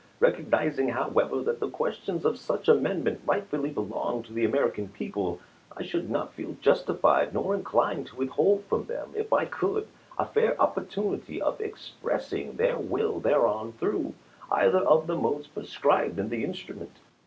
Recognizing, however, that questions of such amendment rightfully belong to the American peo ple, I should not feel justified nor inclined to withhold from them if I could a fair opportunity of expressing QUESTIONS AND ANSWEKS 287 their will thereon through either of the modes prescribed ch. xviii. in the instrument.